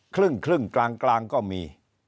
ครึ่งกลางก็มี